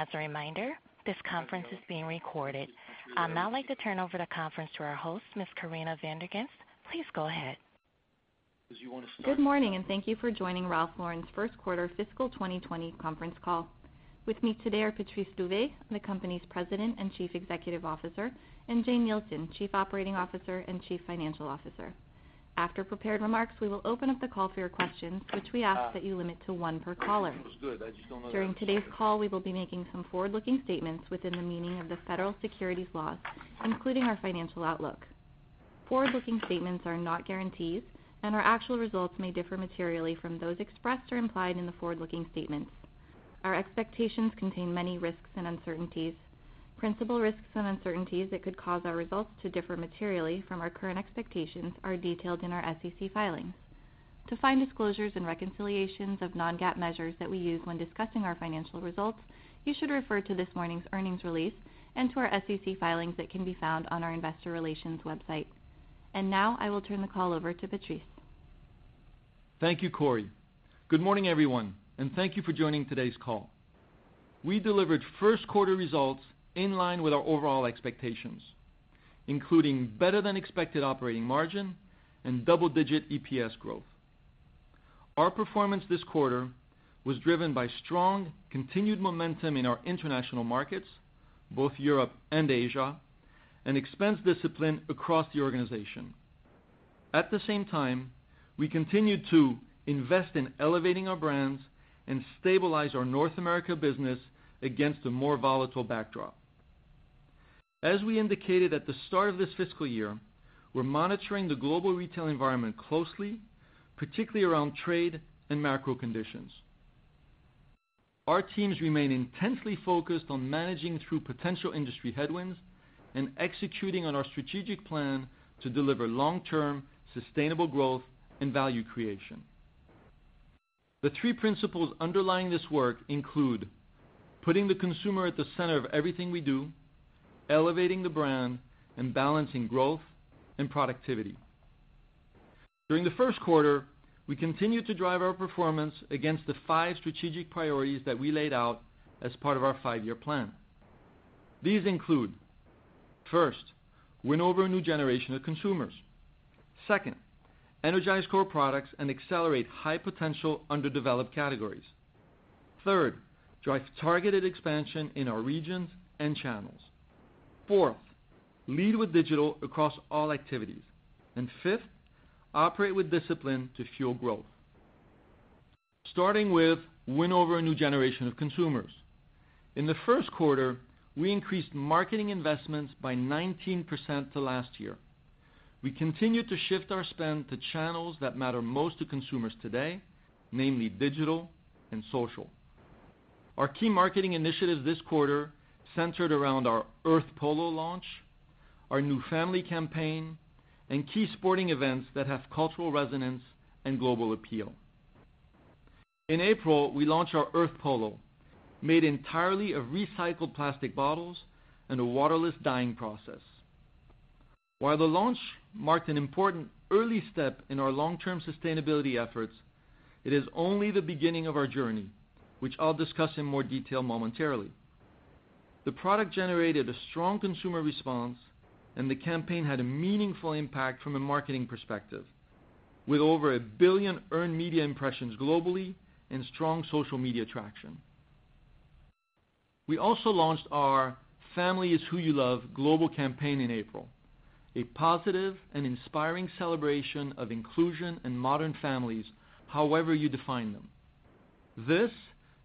As a reminder, this conference is being recorded. I'd now like to turn over the conference to our host, Ms. Corinna Van Der Ghinst. Please go ahead. Good morning. Thank you for joining Ralph Lauren's first quarter fiscal 2020 conference call. With me today are Patrice Louvet, the company's President and Chief Executive Officer, and Jane Nielsen, Chief Operating Officer and Chief Financial Officer. After prepared remarks, we will open up the call for your questions, which we ask that you limit to one per caller. During today's call, we will be making some forward-looking statements within the meaning of the Federal Securities laws, including our financial outlook. Forward-looking statements are not guarantees, and our actual results may differ materially from those expressed or implied in the forward-looking statements. Our expectations contain many risks and uncertainties. Principal risks and uncertainties that could cause our results to differ materially from our current expectations are detailed in our SEC filings. To find disclosures and reconciliations of non-GAAP measures that we use when discussing our financial results, you should refer to this morning's earnings release and to our SEC filings that can be found on our investor relations website. Now I will turn the call over to Patrice. Thank you, Corri. Good morning, everyone, and thank you for joining today's call. We delivered first quarter results in line with our overall expectations, including better than expected operating margin and double-digit EPS growth. Our performance this quarter was driven by strong, continued momentum in our international markets, both Europe and Asia, and expense discipline across the organization. At the same time, we continued to invest in elevating our brands and stabilize our North America business against a more volatile backdrop. As we indicated at the start of this fiscal year, we're monitoring the global retail environment closely, particularly around trade and macro conditions. Our teams remain intensely focused on managing through potential industry headwinds and executing on our strategic plan to deliver long-term sustainable growth and value creation. The three principles underlying this work include putting the consumer at the center of everything we do, elevating the brand, and balancing growth and productivity. During the first quarter, we continued to drive our performance against the five strategic priorities that we laid out as part of our five-year plan. These include, first, win over a new generation of consumers. Second, energize core products and accelerate high-potential underdeveloped categories. Third, drive targeted expansion in our regions and channels. Fourth, lead with digital across all activities. Fifth, operate with discipline to fuel growth. Starting with win over a new generation of consumers. In the first quarter, we increased marketing investments by 19% to last year. We continued to shift our spend to channels that matter most to consumers today, namely digital and social. Our key marketing initiatives this quarter centered around our Earth Polo launch, our new family campaign, and key sporting events that have cultural resonance and global appeal. In April, we launched our Earth Polo, made entirely of recycled plastic bottles and a waterless dyeing process. While the launch marked an important early step in our long-term sustainability efforts, it is only the beginning of our journey, which I'll discuss in more detail momentarily. The product generated a strong consumer response, and the campaign had a meaningful impact from a marketing perspective, with over 1 billion earned media impressions globally and strong social media traction. We also launched our Family Is Who You Love global campaign in April, a positive and inspiring celebration of inclusion and modern families, however you define them. This,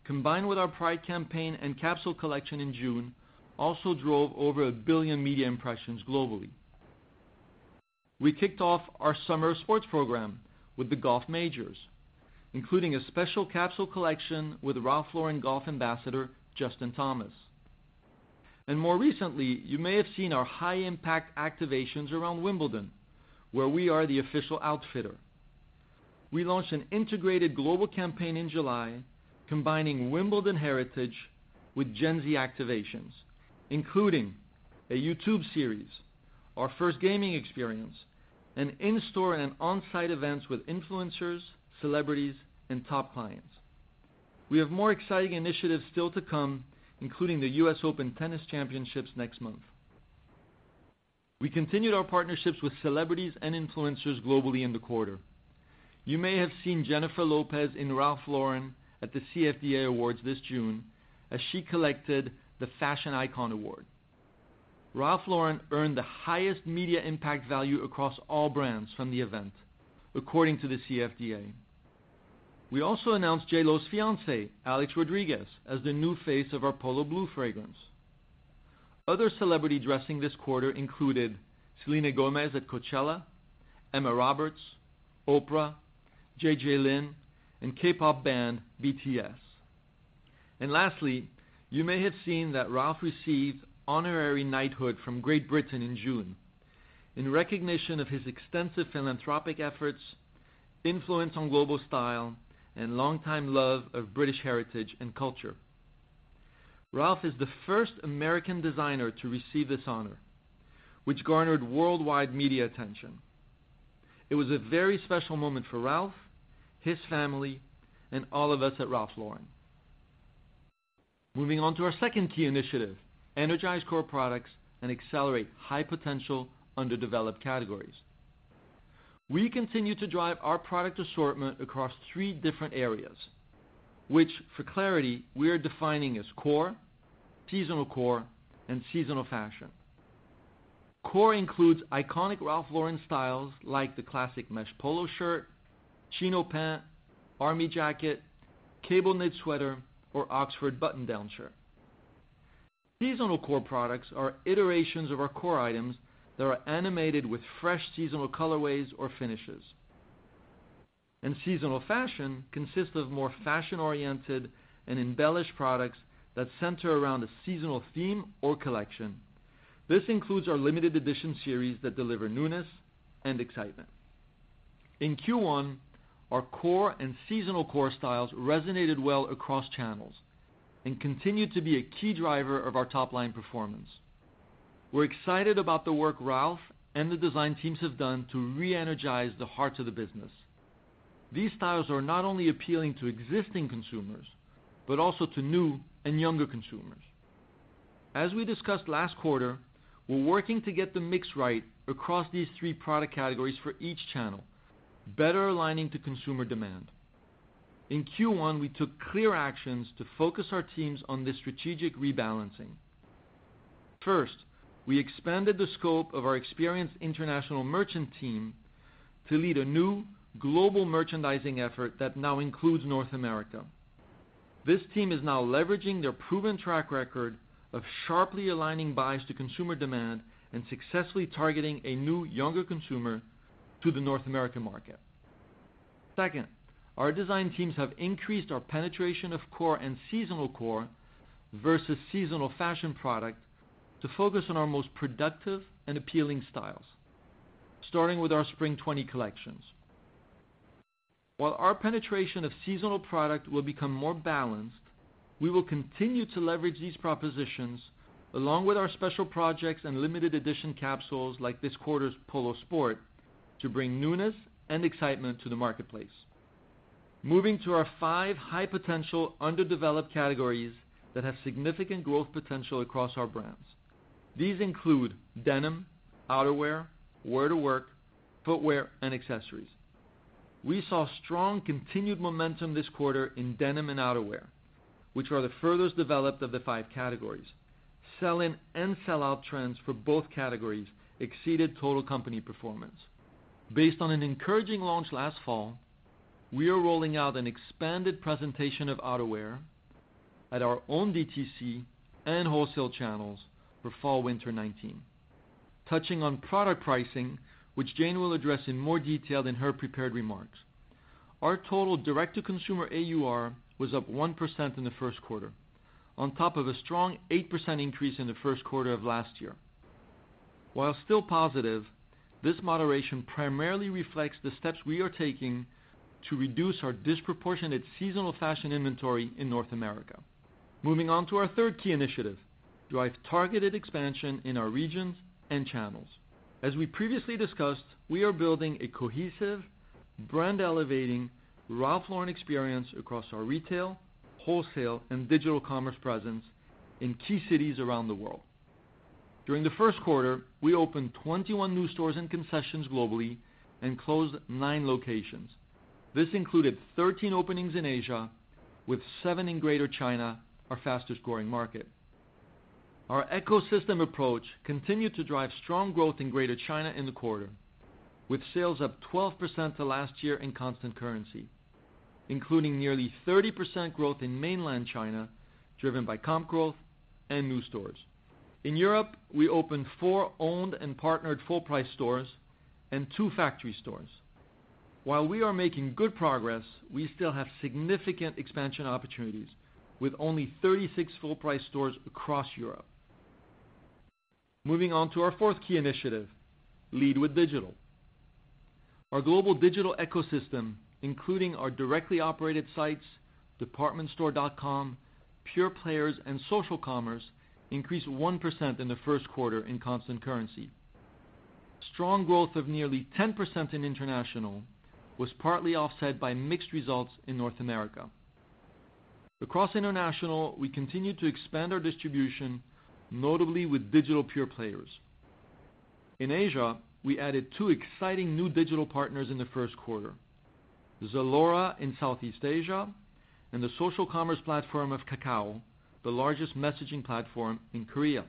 combined with our Pride campaign and capsule collection in June, also drove over 1 billion media impressions globally. We kicked off our summer sports program with the golf majors, including a special capsule collection with Ralph Lauren golf ambassador, Justin Thomas. More recently, you may have seen our high-impact activations around Wimbledon, where we are the official outfitter. We launched an integrated global campaign in July combining Wimbledon heritage with Gen Z activations, including a YouTube series, our first gaming experience, and in-store and on-site events with influencers, celebrities, and top clients. We have more exciting initiatives still to come, including the US Open Tennis Championships next month. We continued our partnerships with celebrities and influencers globally in the quarter. You may have seen Jennifer Lopez in Ralph Lauren at the CFDA Awards this June, as she collected the Fashion Icon Award. Ralph Lauren earned the highest media impact value across all brands from the event, according to the CFDA. We also announced J.Lo's fiancé, Alex Rodriguez, as the new face of our Polo Blue fragrance. Other celebrity dressing this quarter included Selena Gomez at Coachella, Emma Roberts, Oprah, J.J. Lin, and K-pop band BTS. Lastly, you may have seen that Ralph received honorary knighthood from Great Britain in June, in recognition of his extensive philanthropic efforts, influence on global style, and longtime love of British heritage and culture. Ralph is the first American designer to receive this honor, which garnered worldwide media attention. It was a very special moment for Ralph, his family, and all of us at Ralph Lauren. Moving on to our second key initiative, energize core products and accelerate high potential underdeveloped categories. We continue to drive our product assortment across three different areas, which, for clarity, we are defining as core, seasonal core, and seasonal fashion. Core includes iconic Ralph Lauren styles like the classic mesh polo shirt, chino pant, army jacket, cable knit sweater, or Oxford button-down shirt. Seasonal core products are iterations of our core items that are animated with fresh seasonal colorways or finishes. Seasonal fashion consists of more fashion-oriented and embellished products that center around a seasonal theme or collection. This includes our limited edition series that deliver newness and excitement. In Q1, our core and seasonal core styles resonated well across channels and continued to be a key driver of our top-line performance. We're excited about the work Ralph and the design teams have done to re-energize the heart of the business. These styles are not only appealing to existing consumers, but also to new and younger consumers. As we discussed last quarter, we're working to get the mix right across these three product categories for each channel, better aligning to consumer demand. In Q1, we took clear actions to focus our teams on this strategic rebalancing. First, we expanded the scope of our experienced international merchant team to lead a new global merchandising effort that now includes North America. This team is now leveraging their proven track record of sharply aligning buys to consumer demand and successfully targeting a new, younger consumer to the North American market. Second, our design teams have increased our penetration of core and seasonal core versus seasonal fashion product to focus on our most productive and appealing styles, starting with our spring 2020 collections. While our penetration of seasonal product will become more balanced, we will continue to leverage these propositions, along with our special projects and limited edition capsules, like this quarter's Polo Sport, to bring newness and excitement to the marketplace. Moving to our five high-potential, underdeveloped categories that have significant growth potential across our brands. These include denim, outerwear, wear-to-work, footwear, and accessories. We saw strong continued momentum this quarter in denim and outerwear, which are the furthest developed of the five categories. Sell-in and sell-out trends for both categories exceeded total company performance. Based on an encouraging launch last fall, we are rolling out an expanded presentation of outerwear at our own DTC and wholesale channels for fall/winter 2019. Touching on product pricing, which Jane will address in more detail in her prepared remarks, our total direct-to-consumer AUR was up 1% in the first quarter, on top of a strong 8% increase in the first quarter of last year. While still positive, this moderation primarily reflects the steps we are taking to reduce our disproportionate seasonal fashion inventory in North America. Moving on to our third key initiative, drive targeted expansion in our regions and channels. As we previously discussed, we are building a cohesive, brand-elevating Ralph Lauren experience across our retail, wholesale, and digital commerce presence in key cities around the world. During the first quarter, we opened 21 new stores and concessions globally and closed nine locations. This included 13 openings in Asia, with seven in Greater China, our fastest-growing market. Our ecosystem approach continued to drive strong growth in Greater China in the quarter, with sales up 12% to last year in constant currency, including nearly 30% growth in mainland China, driven by comp growth and new stores. In Europe, we opened four owned and partnered full-price stores and two factory stores. While we are making good progress, we still have significant expansion opportunities with only 36 full-price stores across Europe. Moving on to our fourth key initiative, lead with digital. Our global digital ecosystem, including our directly operated sites, departmentstore.com, pure players, and social commerce, increased 1% in the first quarter in constant currency. Strong growth of nearly 10% in international was partly offset by mixed results in North America. Across international, we continued to expand our distribution, notably with digital pure players. In Asia, we added two exciting new digital partners in the first quarter: ZALORA in Southeast Asia and the social commerce platform of Kakao, the largest messaging platform in Korea.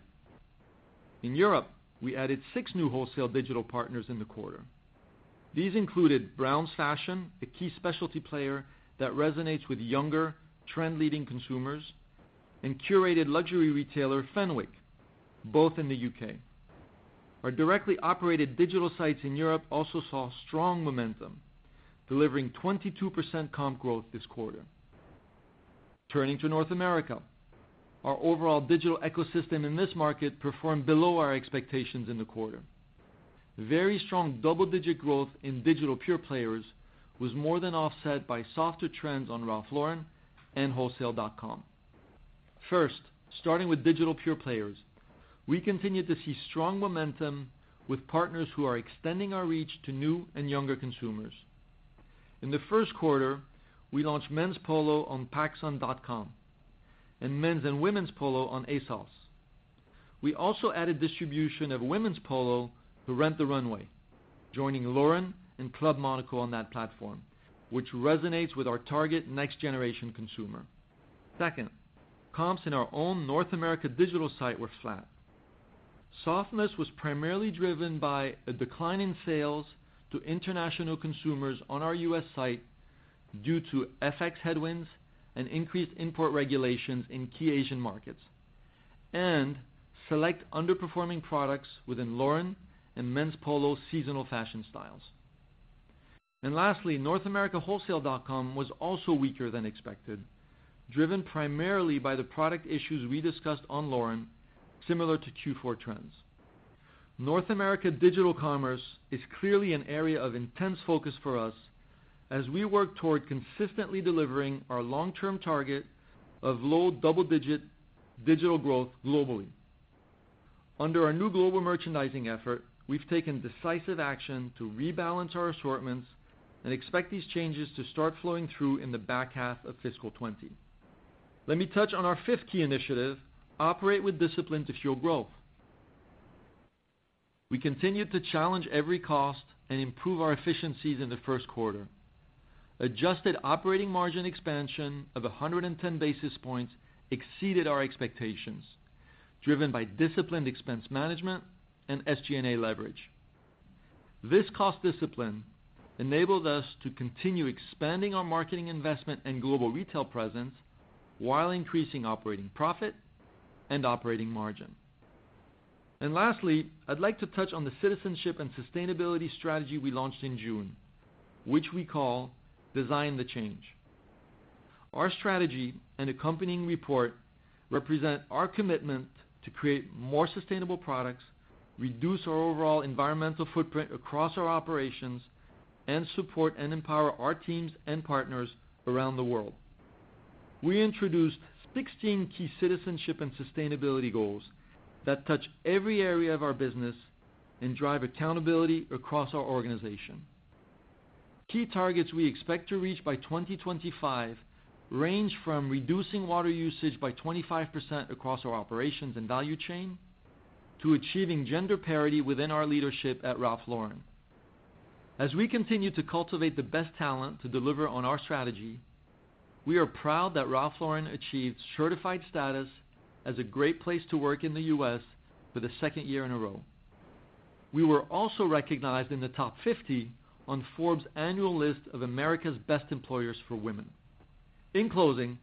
In Europe, we added six new wholesale digital partners in the quarter. These included Browns Fashion, a key specialty player that resonates with younger, trend-leading consumers, and curated luxury retailer Fenwick, both in the U.K. Our directly operated digital sites in Europe also saw strong momentum, delivering 22% comp growth this quarter. Turning to North America, our overall digital ecosystem in this market performed below our expectations in the quarter. Very strong double-digit growth in digital pure players was more than offset by softer trends on Ralph Lauren and wholesale.com. First, starting with digital pure players. We continue to see strong momentum with partners who are extending our reach to new and younger consumers. In the first quarter, we launched men's Polo on pacsun.com and men's and women's Polo on ASOS. We also added distribution of women's Polo to Rent the Runway, joining Lauren and Club Monaco on that platform, which resonates with our target next generation consumer. Second, comps in our own North America digital site were flat. Softness was primarily driven by a decline in sales to international consumers on our U.S. site due to FX headwinds and increased import regulations in key Asian markets, and select underperforming products within Lauren and men's Polo seasonal fashion styles. Lastly, North America wholesale.com was also weaker than expected, driven primarily by the product issues we discussed on Lauren, similar to Q4 trends. North America digital commerce is clearly an area of intense focus for us as we work toward consistently delivering our long-term target of low double-digit digital growth globally. Under our new global merchandising effort, we've taken decisive action to rebalance our assortments and expect these changes to start flowing through in the back half of fiscal 2020. Let me touch on our fifth key initiative, operate with discipline to fuel growth. We continued to challenge every cost and improve our efficiencies in the first quarter. Adjusted operating margin expansion of 110 basis points exceeded our expectations, driven by disciplined expense management and SG&A leverage. This cost discipline enabled us to continue expanding our marketing investment and global retail presence while increasing operating profit and operating margin. Lastly, I'd like to touch on the citizenship and sustainability strategy we launched in June, which we call Design the Change. Our strategy and accompanying report represent our commitment to create more sustainable products, reduce our overall environmental footprint across our operations, and support and empower our teams and partners around the world. We introduced 16 key citizenship and sustainability goals that touch every area of our business and drive accountability across our organization. Key targets we expect to reach by 2025 range from reducing water usage by 25% across our operations and value chain, to achieving gender parity within our leadership at Ralph Lauren. As we continue to cultivate the best talent to deliver on our strategy, we are proud that Ralph Lauren achieved certified status as a great place to work in the U.S. for the second year in a row. We were also recognized in the top 50 on Forbes annual list of America's best employers for women. In closing,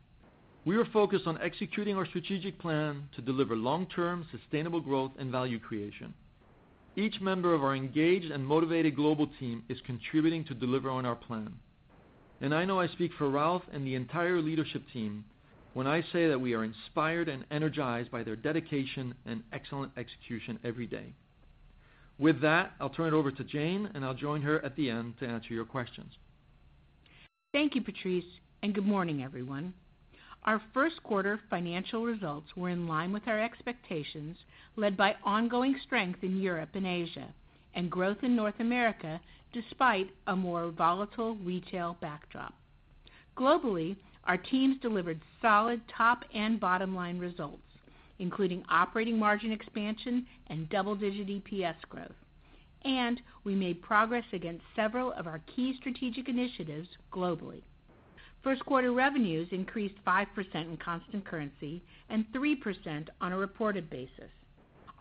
we are focused on executing our strategic plan to deliver long-term sustainable growth and value creation. Each member of our engaged and motivated global team is contributing to deliver on our plan. I know I speak for Ralph and the entire leadership team when I say that we are inspired and energized by their dedication and excellent execution every day. With that, I'll turn it over to Jane, and I'll join her at the end to answer your questions. Thank you, Patrice. Good morning, everyone. Our first quarter financial results were in line with our expectations, led by ongoing strength in Europe and Asia, growth in North America despite a more volatile retail backdrop. Globally, our teams delivered solid top and bottom-line results, including operating margin expansion and double-digit EPS growth. We made progress against several of our key strategic initiatives globally. First quarter revenues increased 5% in constant currency and 3% on a reported basis.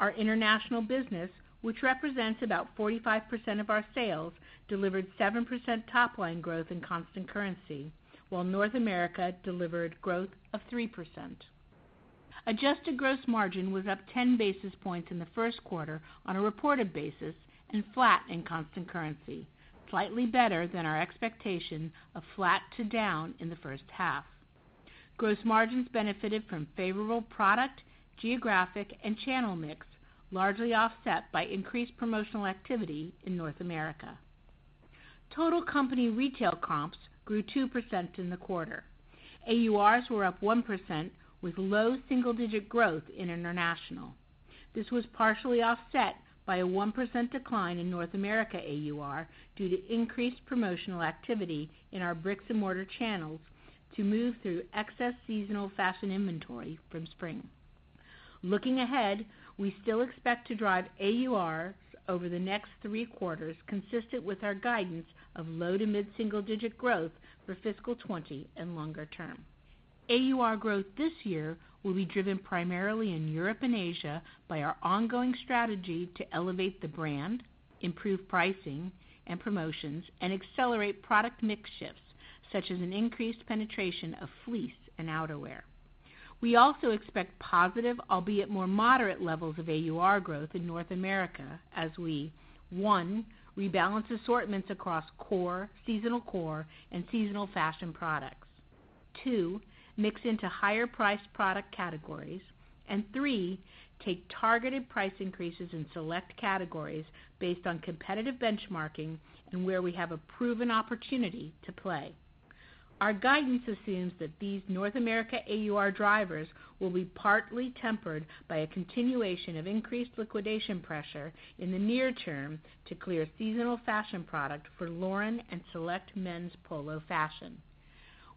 Our international business, which represents about 45% of our sales, delivered 7% top-line growth in constant currency, while North America delivered growth of 3%. Adjusted gross margin was up 10 basis points in the first quarter on a reported basis and flat in constant currency, slightly better than our expectation of flat to down in the first half. Gross margins benefited from favorable product, geographic, and channel mix, largely offset by increased promotional activity in North America. Total company retail comps grew 2% in the quarter. AURs were up 1% with low single-digit growth in international. This was partially offset by a 1% decline in North America AUR due to increased promotional activity in our bricks and mortar channels to move through excess seasonal fashion inventory from spring. Looking ahead, we still expect to drive AUR over the next three quarters, consistent with our guidance of low to mid single-digit growth for fiscal 2020 and longer term. AUR growth this year will be driven primarily in Europe and Asia by our ongoing strategy to elevate the brand, improve pricing and promotions, and accelerate product mix shifts, such as an increased penetration of fleece and outerwear. We also expect positive, albeit more moderate levels of AUR growth in North America as we, one, rebalance assortments across core, seasonal core, and seasonal fashion products. Two, mix into higher priced product categories. Three, take targeted price increases in select categories based on competitive benchmarking and where we have a proven opportunity to play. Our guidance assumes that these North America AUR drivers will be partly tempered by a continuation of increased liquidation pressure in the near term to clear seasonal fashion product for Lauren and select men's Polo fashion.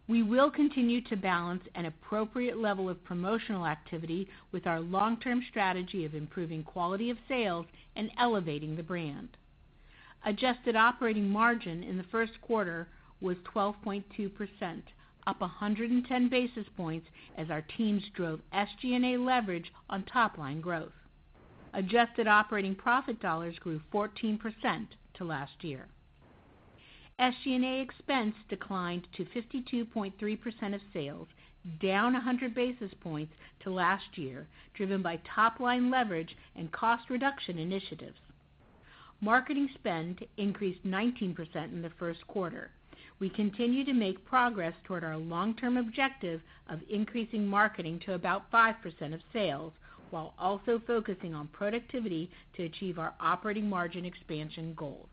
We will continue to balance an appropriate level of promotional activity with our long-term strategy of improving quality of sales and elevating the brand. Adjusted operating margin in the first quarter was 12.2%, up 110 basis points as our teams drove SG&A leverage on top-line growth. Adjusted operating profit dollars grew 14% to last year. SG&A expense declined to 52.3% of sales, down 100 basis points to last year, driven by top-line leverage and cost reduction initiatives. Marketing spend increased 19% in the first quarter. We continue to make progress toward our long-term objective of increasing marketing to about 5% of sales, while also focusing on productivity to achieve our operating margin expansion goals.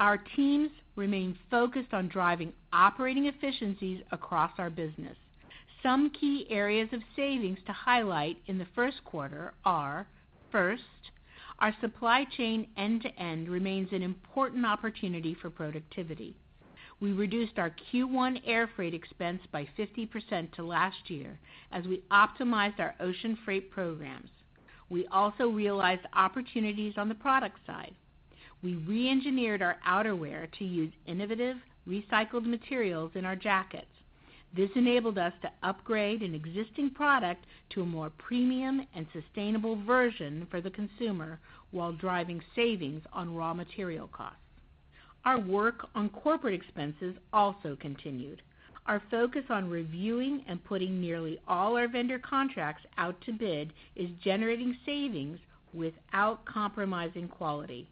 Our teams remain focused on driving operating efficiencies across our business. Some key areas of savings to highlight in the first quarter are, first, our supply chain end to end remains an important opportunity for productivity. We reduced our Q1 air freight expense by 50% to last year, as we optimized our ocean freight programs. We also realized opportunities on the product side. We re-engineered our outerwear to use innovative recycled materials in our jackets. This enabled us to upgrade an existing product to a more premium and sustainable version for the consumer while driving savings on raw material costs. Our work on corporate expenses also continued. Our focus on reviewing and putting nearly all our vendor contracts out to bid is generating savings without compromising quality.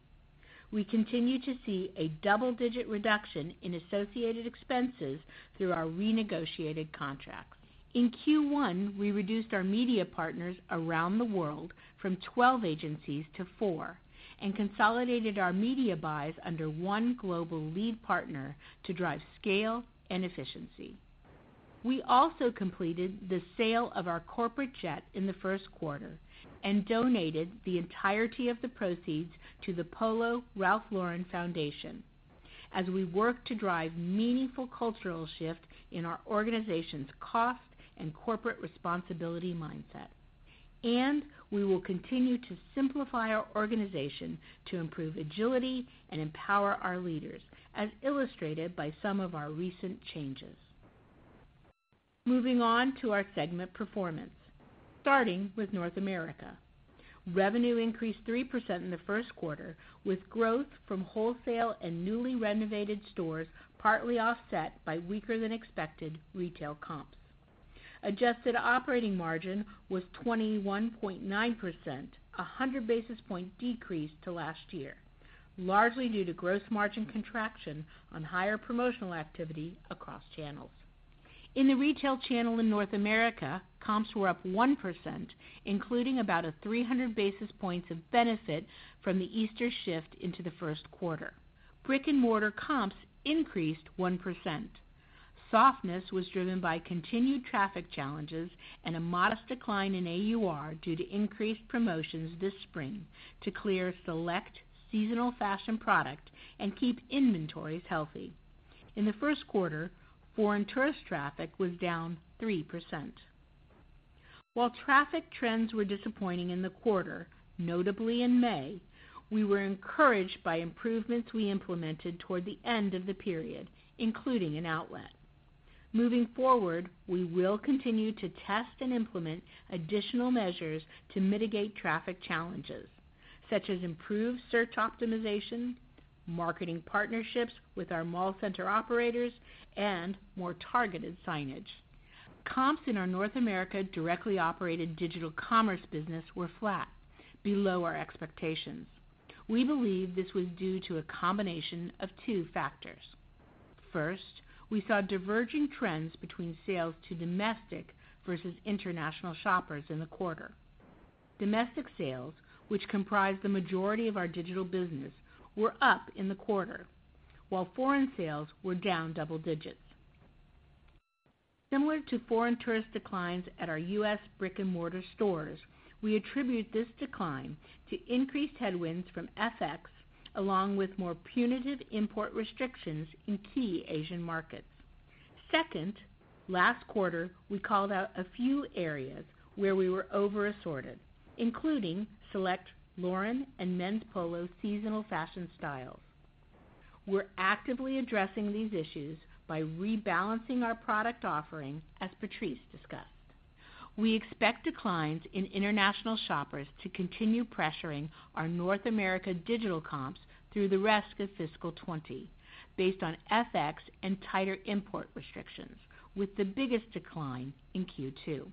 We continue to see a double-digit reduction in associated expenses through our renegotiated contracts. In Q1, we reduced our media partners around the world from 12 agencies to four and consolidated our media buys under one global lead partner to drive scale and efficiency. We also completed the sale of our corporate jet in the first quarter and donated the entirety of the proceeds to the Polo Ralph Lauren Foundation as we work to drive meaningful cultural shift in our organization's cost and corporate responsibility mindset. We will continue to simplify our organization to improve agility and empower our leaders, as illustrated by some of our recent changes. Moving on to our segment performance, starting with North America. Revenue increased 3% in the first quarter, with growth from wholesale and newly renovated stores partly offset by weaker-than-expected retail comps. Adjusted operating margin was 21.9%, a 100-basis-point decrease to last year, largely due to gross margin contraction on higher promotional activity across channels. In the retail channel in North America, comps were up 1%, including about a 300 basis points of benefit from the Easter shift into the first quarter. Brick-and-mortar comps increased 1%. Softness was driven by continued traffic challenges and a modest decline in AUR due to increased promotions this spring to clear select seasonal fashion product and keep inventories healthy. In the first quarter, foreign tourist traffic was down 3%. While traffic trends were disappointing in the quarter, notably in May, we were encouraged by improvements we implemented toward the end of the period, including an outlet. Moving forward, we will continue to test and implement additional measures to mitigate traffic challenges, such as improved search optimization, marketing partnerships with our mall center operators, and more targeted signage. Comps in our North America directly operated digital commerce business were flat, below our expectations. We believe this was due to a combination of two factors. First, we saw diverging trends between sales to domestic versus international shoppers in the quarter. Domestic sales, which comprise the majority of our digital business, were up in the quarter, while foreign sales were down double digits. Similar to foreign tourist declines at our U.S. brick-and-mortar stores, we attribute this decline to increased headwinds from FX, along with more punitive import restrictions in key Asian markets. Second, last quarter, we called out a few areas where we were over-assorted, including select Lauren and Men's Polo seasonal fashion styles. We're actively addressing these issues by rebalancing our product offering, as Patrice discussed. We expect declines in international shoppers to continue pressuring our North America digital comps through the rest of fiscal 2020, based on FX and tighter import restrictions, with the biggest decline in Q2.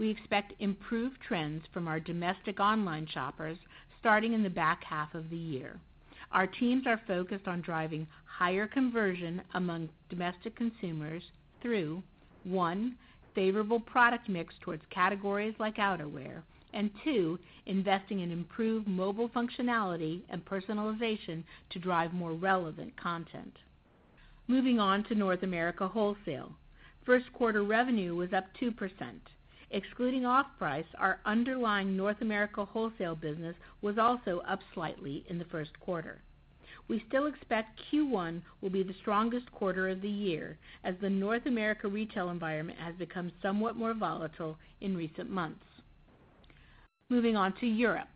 We expect improved trends from our domestic online shoppers starting in the back half of the year. Our teams are focused on driving higher conversion among domestic consumers through, one, favorable product mix towards categories like outerwear, and two, investing in improved mobile functionality and personalization to drive more relevant content. Moving on to North America wholesale. First quarter revenue was up 2%. Excluding off-price, our underlying North America wholesale business was also up slightly in the first quarter. We still expect Q1 will be the strongest quarter of the year, as the North America retail environment has become somewhat more volatile in recent months. Moving on to Europe.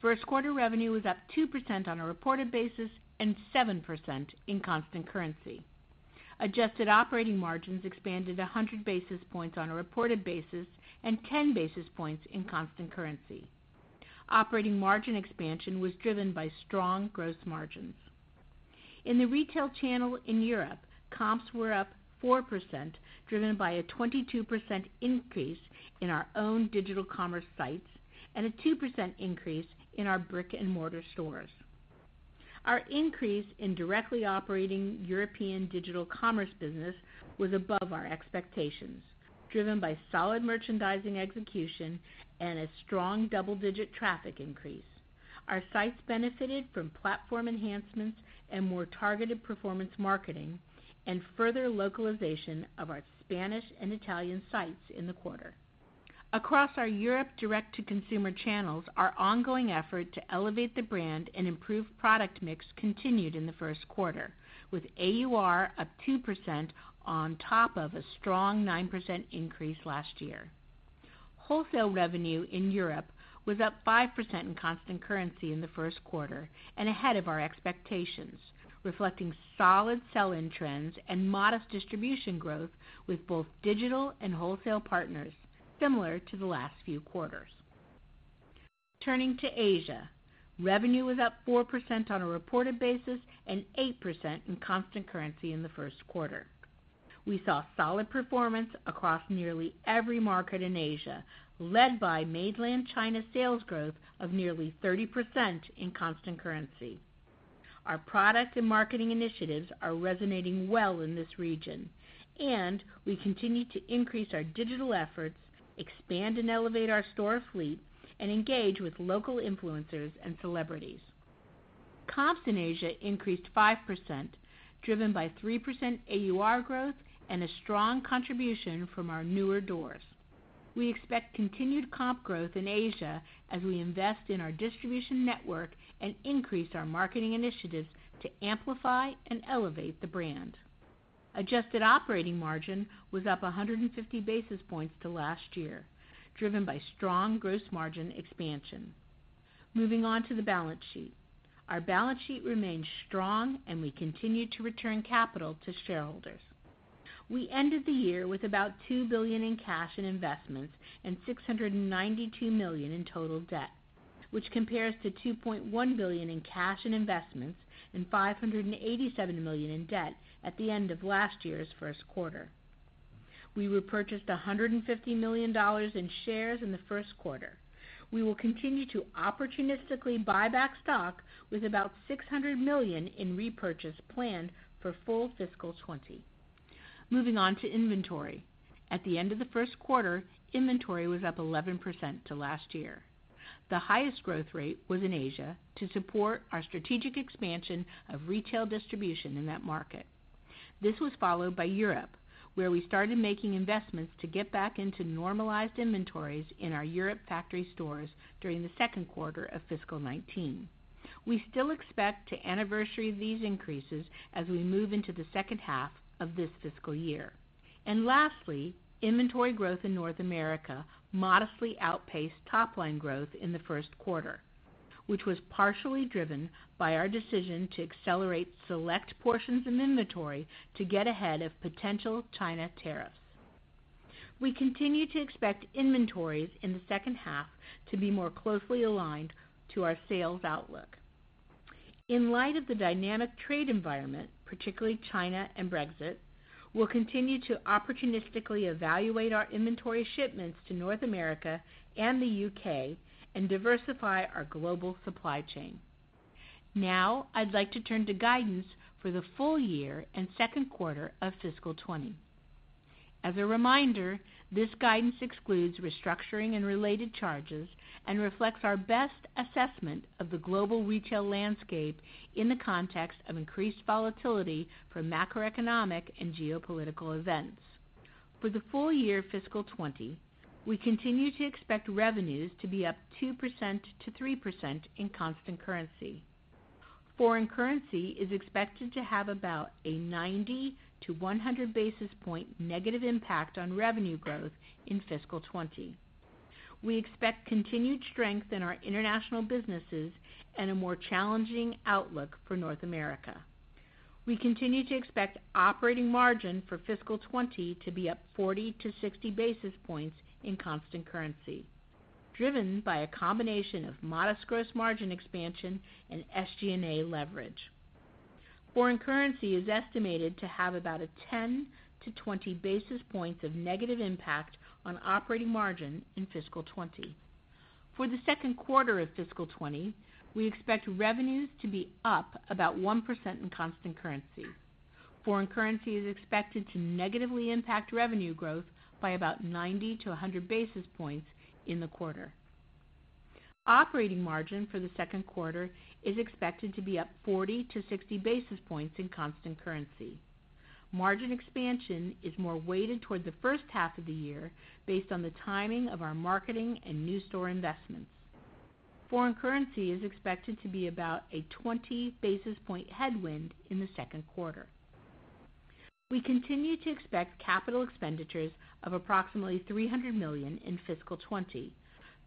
First quarter revenue was up 2% on a reported basis and 7% in constant currency. Adjusted operating margins expanded 100 basis points on a reported basis and 10 basis points in constant currency. Operating margin expansion was driven by strong gross margins. In the retail channel in Europe, comps were up 4%, driven by a 22% increase in our own digital commerce sites and a 2% increase in our brick-and-mortar stores. Our increase in directly operating European digital commerce business was above our expectations, driven by solid merchandising execution and a strong double-digit traffic increase. Our sites benefited from platform enhancements and more targeted performance marketing and further localization of our Spanish and Italian sites in the quarter. Across our Europe direct-to-consumer channels, our ongoing effort to elevate the brand and improve product mix continued in the first quarter, with AUR up 2% on top of a strong 9% increase last year. Wholesale revenue in Europe was up 5% in constant currency in the first quarter and ahead of our expectations, reflecting solid sell-in trends and modest distribution growth with both digital and wholesale partners, similar to the last few quarters. Turning to Asia, revenue was up 4% on a reported basis and 8% in constant currency in the first quarter. We saw solid performance across nearly every market in Asia, led by Mainland China sales growth of nearly 30% in constant currency. We continue to increase our digital efforts, expand and elevate our store fleet, and engage with local influencers and celebrities. Comps in Asia increased 5%, driven by 3% AUR growth and a strong contribution from our newer doors. We expect continued comp growth in Asia as we invest in our distribution network and increase our marketing initiatives to amplify and elevate the brand. Adjusted operating margin was up 150 basis points to last year, driven by strong gross margin expansion. Moving on to the balance sheet. Our balance sheet remains strong. We continue to return capital to shareholders. We ended the year with about $2 billion in cash and investments and $692 million in total debt, which compares to $2.1 billion in cash and investments and $587 million in debt at the end of last year's first quarter. We repurchased $150 million in shares in the first quarter. We will continue to opportunistically buy back stock with about $600 million in repurchase planned for full fiscal 2020. Moving on to inventory. At the end of the first quarter, inventory was up 11% to last year. The highest growth rate was in Asia to support our strategic expansion of retail distribution in that market. This was followed by Europe, where we started making investments to get back into normalized inventories in our Europe factory stores during the second quarter of fiscal 2019. We still expect to anniversary these increases as we move into the second half of this fiscal year. Lastly, inventory growth in North America modestly outpaced top-line growth in the first quarter, which was partially driven by our decision to accelerate select portions of inventory to get ahead of potential China tariffs. We continue to expect inventories in the second half to be more closely aligned to our sales outlook. In light of the dynamic trade environment, particularly China and Brexit, we'll continue to opportunistically evaluate our inventory shipments to North America and the U.K. and diversify our global supply chain. Now, I'd like to turn to guidance for the full year and second quarter of fiscal 2020. As a reminder, this guidance excludes restructuring and related charges and reflects our best assessment of the global retail landscape in the context of increased volatility from macroeconomic and geopolitical events. For the full year fiscal 2020, we continue to expect revenues to be up 2%-3% in constant currency. Foreign currency is expected to have about a 90-100 basis point negative impact on revenue growth in fiscal 2020. We expect continued strength in our international businesses and a more challenging outlook for North America. We continue to expect operating margin for fiscal 2020 to be up 40-60 basis points in constant currency, driven by a combination of modest gross margin expansion and SG&A leverage. Foreign currency is estimated to have about a 10-20 basis points of negative impact on operating margin in fiscal 2020. For the second quarter of fiscal 2020, we expect revenues to be up about 1% in constant currency. Foreign currency is expected to negatively impact revenue growth by about 90-100 basis points in the quarter. Operating margin for the second quarter is expected to be up 40-60 basis points in constant currency. Margin expansion is more weighted toward the first half of the year based on the timing of our marketing and new store investments. Foreign currency is expected to be about a 20 basis point headwind in the second quarter. We continue to expect capital expenditures of approximately $300 million in fiscal 2020,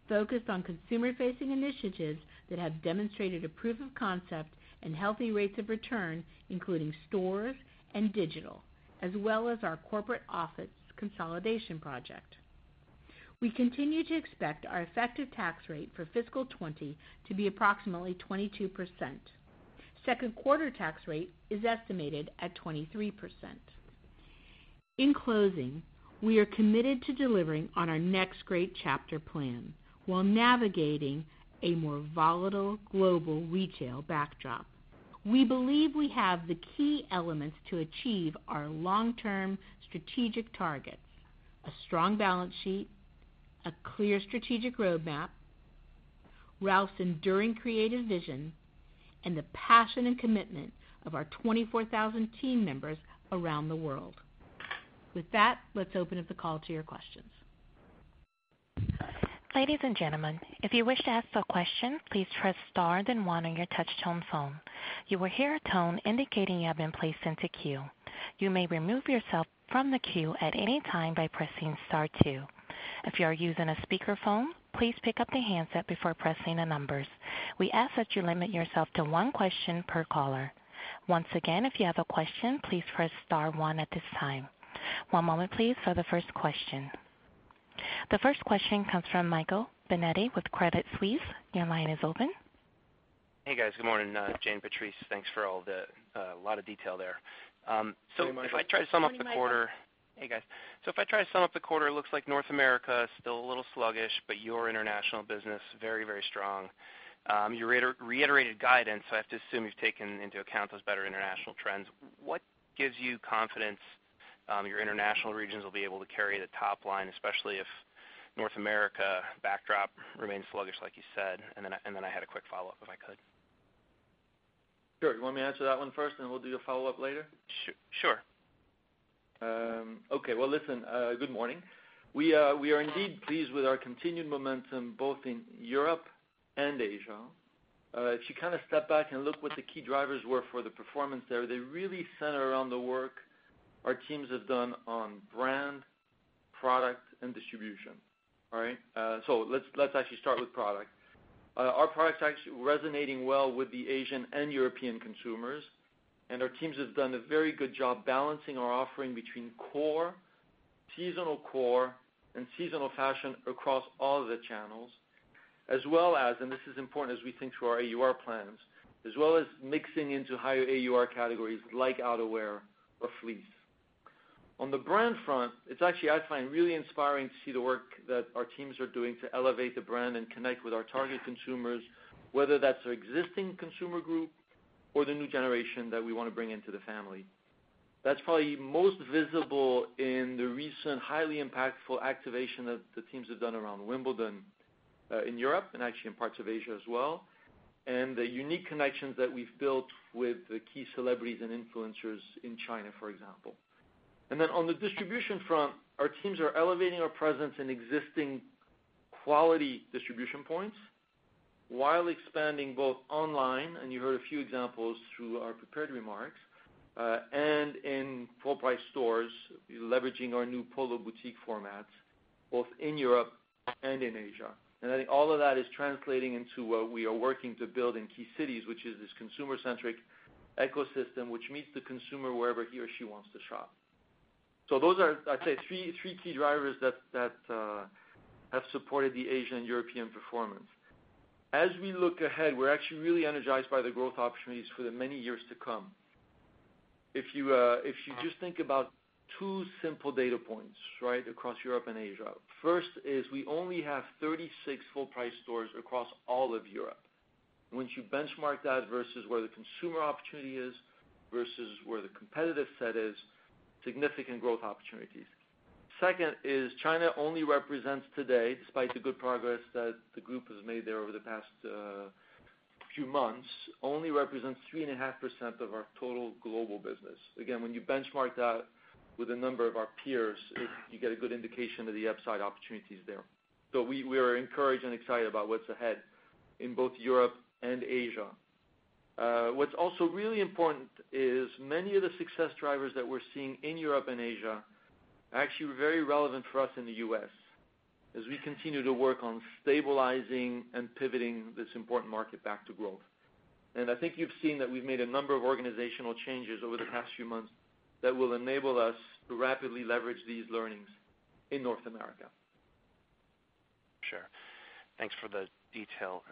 focused on consumer-facing initiatives that have demonstrated a proof of concept and healthy rates of return, including stores and digital, as well as our corporate office consolidation project. We continue to expect our effective tax rate for fiscal 2020 to be approximately 22%. Second quarter tax rate is estimated at 23%. In closing, we are committed to delivering on our Next Great Chapter plan while navigating a more volatile global retail backdrop. We believe we have the key elements to achieve our long-term strategic targets: a strong balance sheet, a clear strategic roadmap, Ralph's enduring creative vision, and the passion and commitment of our 24,000 team members around the world. With that, let's open up the call to your questions. Ladies and gentlemen, if you wish to ask a question, please press star then one on your touch tone phone. You will hear a tone indicating you have been placed into queue. You may remove yourself from the queue at any time by pressing star two. If you are using a speakerphone, please pick up the handset before pressing the numbers. We ask that you limit yourself to one question per caller. Once again, if you have a question, please press star one at this time. One moment please for the first question. The first question comes from Michael Binetti with Credit Suisse. Your line is open. Hey, guys. Good morning, Jane, Patrice. Thanks for all the lot of detail there. Good morning, Michael. Hey, guys. If I try to sum up the quarter, it looks like North America is still a little sluggish, but your international business, very strong. Your reiterated guidance, I have to assume you've taken into account those better international trends. What gives you confidence your international regions will be able to carry the top line, especially if North America backdrop remains sluggish like you said? I had a quick follow-up if I could. Sure. You want me to answer that one first, and we'll do the follow-up later? Sure. Well, listen, good morning. We are indeed pleased with our continued momentum both in Europe and Asia. If you step back and look what the key drivers were for the performance there, they really center around the work our teams have done on brand, product, and distribution. All right? Let's actually start with product. Our product's actually resonating well with the Asian and European consumers, and our teams have done a very good job balancing our offering between core, seasonal core, and seasonal fashion across all of the channels. As well as, and this is important as we think through our AUR plans, as well as mixing into higher AUR categories like outerwear or fleece. On the brand front, it's actually, I find, really inspiring to see the work that our teams are doing to elevate the brand and connect with our target consumers, whether that's our existing consumer group or the new generation that we want to bring into the family. That's probably most visible in the recent, highly impactful activation that the teams have done around Wimbledon, in Europe and actually in parts of Asia as well, and the unique connections that we've built with the key celebrities and influencers in China, for example. Then on the distribution front, our teams are elevating our presence in existing quality distribution points while expanding both online, and you heard a few examples through our prepared remarks, and in full-price stores, leveraging our new Polo boutique format, both in Europe and in Asia. I think all of that is translating into what we are working to build in key cities, which is this consumer-centric ecosystem which meets the consumer wherever he or she wants to shop. Those are, I'd say, three key drivers that have supported the Asian-European performance. As we look ahead, we're actually really energized by the growth opportunities for the many years to come. If you just think about two simple data points across Europe and Asia. First is we only have 36 full-price stores across all of Europe. Once you benchmark that versus where the consumer opportunity is versus where the competitive set is, significant growth opportunities. Second is China only represents today, despite the good progress that the group has made there over the past few months, only represents 3.5% of our total global business. Again, when you benchmark that with a number of our peers, you get a good indication of the upside opportunities there. We are encouraged and excited about what's ahead in both Europe and Asia. What's also really important is many of the success drivers that we're seeing in Europe and Asia are actually very relevant for us in the U.S. as we continue to work on stabilizing and pivoting this important market back to growth. I think you've seen that we've made a number of organizational changes over the past few months that will enable us to rapidly leverage these learnings in North America. Sure. Thanks for the detail.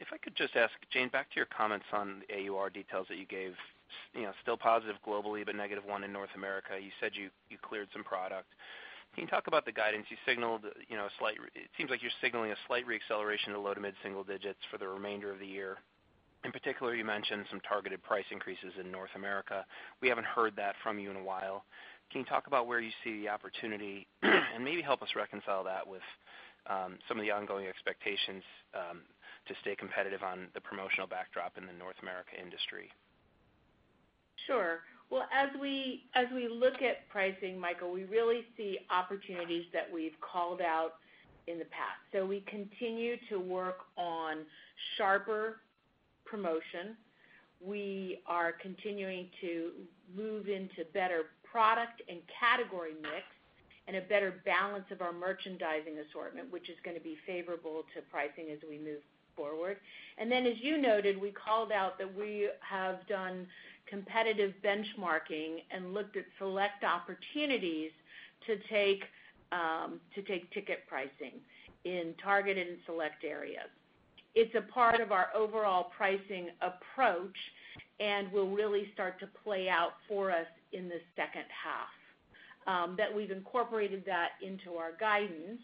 If I could just ask, Jane, back to your comments on AUR details that you gave. Still positive globally, but negative one in North America. You said you cleared some product. Can you talk about the guidance you signaled? It seems like you're signaling a slight re-acceleration to low to mid-single digits for the remainder of the year. In particular, you mentioned some targeted price increases in North America. We haven't heard that from you in a while. Can you talk about where you see the opportunity and maybe help us reconcile that with some of the ongoing expectations to stay competitive on the promotional backdrop in the North America industry? Sure. Well, as we look at pricing, Michael, we really see opportunities that we've called out in the past. We continue to work on sharper promotion. We are continuing to move into better product and category mix and a better balance of our merchandising assortment, which is going to be favorable to pricing as we move forward. Then, as you noted, we called out that we have done competitive benchmarking and looked at select opportunities to take ticket pricing in targeted and select areas. It's a part of our overall pricing approach and will really start to play out for us in the second half, that we've incorporated that into our guidance.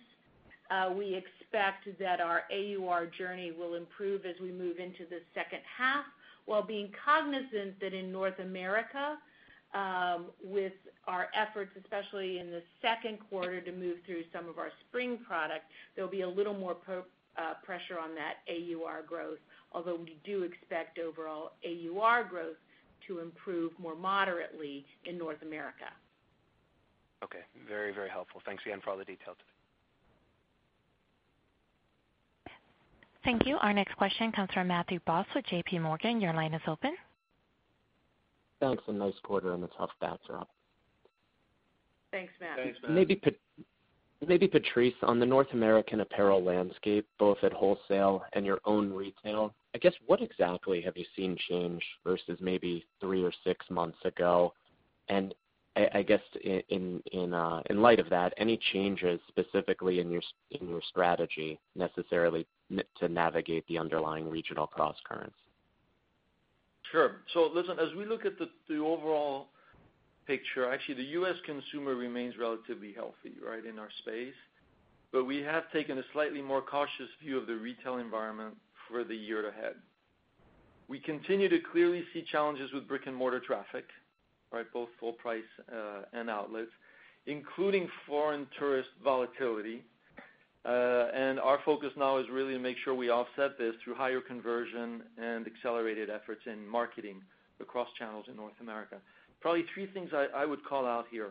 We expect that our AUR journey will improve as we move into the second half, while being cognizant that in North America, with our efforts especially in the second quarter to move through some of our spring product, there'll be a little more pressure on that AUR growth, although we do expect overall AUR growth to improve more moderately in North America. Okay. Very helpful. Thanks again for all the details. Thank you. Our next question comes from Matthew Boss with JPMorgan. Your line is open. Thanks. A nice quarter on a tough backdrop. Thanks, Matt. Thanks, Matt. Maybe Patrice, on the North American apparel landscape, both at wholesale and your own retail, I guess, what exactly have you seen change versus maybe three or six months ago? I guess in light of that, any changes specifically in your strategy necessarily to navigate the underlying regional crosscurrents? Sure. Listen, as we look at the overall picture, actually the U.S. consumer remains relatively healthy in our space. We have taken a slightly more cautious view of the retail environment for the year ahead. We continue to clearly see challenges with brick and mortar traffic, both full price, and outlets, including foreign tourist volatility. Our focus now is really to make sure we offset this through higher conversion and accelerated efforts in marketing across channels in North America. Probably three things I would call out here.